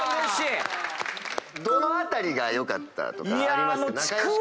どの辺りが良かったとか。